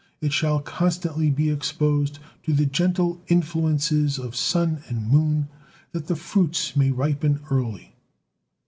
It shall constantly be exposed to the gentle influences of sun and moon, that the fruits may ripen early.